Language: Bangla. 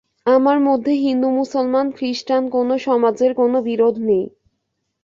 আমার মধ্যে হিন্দু মুসলমান খৃস্টান কোনো সমাজের কোনো বিরোধ নেই।